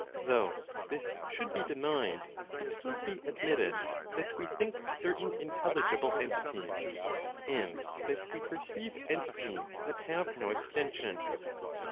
Though this should be denied, it will be admitted that we think certain intelligibles entities, and that we perceive entities that have no extension.